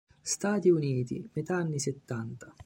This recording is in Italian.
Stati Uniti, metà anni settanta.